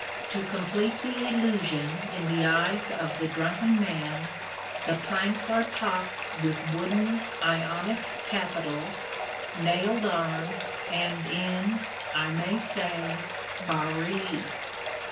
To complete the illusion in the eyes of the drunken man, the planks are topped with wooden Ionic capitals, nailed on, and in, I may say, bas relief.